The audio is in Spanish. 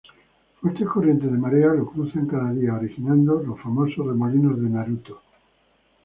Fuertes corrientes de marea lo cruzan cada día, originando los famosos remolinos de Naruto.